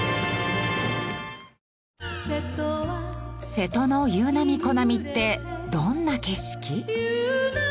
「瀬戸の夕波小波」ってどんな景色？